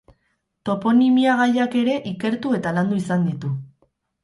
Toponimia gaiak ere ikertu eta landu izan ditu.